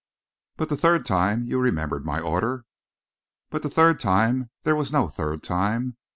"But the third time you remembered my order?" "But the third time there was no third time.